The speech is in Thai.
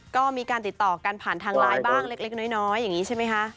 ก็มีการติดต่อกันผ่านรายบ้างเล็กน้อยใช่ไหมคะ